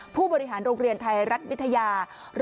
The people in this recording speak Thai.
ผู้บริหารโรงเรียนไทยรัฐวิทยา